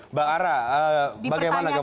mbak ara bagaimana kemudian